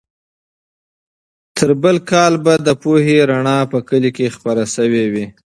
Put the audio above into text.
تر بل کال به د پوهې رڼا په کلي کې خپره سوې وي.